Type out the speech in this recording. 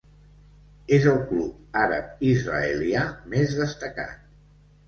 És el club àrab-israelià més destacat.